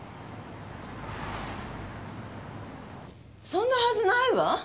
そんなはずないわ！